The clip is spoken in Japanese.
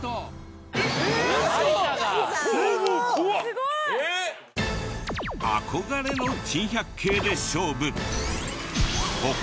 すごい！憧れの珍百景で勝負。